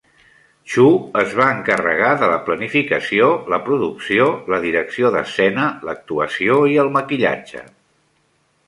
Chu es va encarregar de la planificació, la producció, la direcció d'escena, l'actuació i el maquillatge.